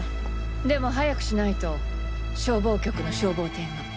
でも早くしないと消防局の消防艇が。